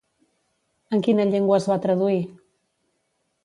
En quina llengua es va traduir?